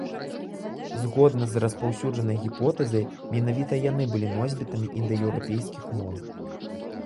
Згодна з распаўсюджанай гіпотэзай, менавіта яны былі носьбітамі індаеўрапейскіх моў.